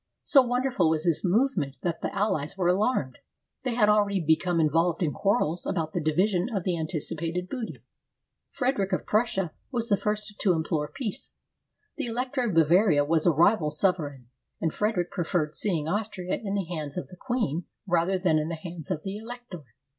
So wonderful was this movement that the alHes were alarmed. They had already become in volved in quarrels about the division of the anticipated booty. Frederic of Prussia was the first to implore peace. The Elector of Bavaria was a rival sovereign, and Fred eric preferred seeing Austria in the hands of the queen rather than in the hands of the elector.